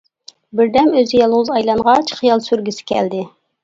بىردەم ئۆزى يالغۇز ئايلانغاچ خىيال سۈرگىسى كەلدى.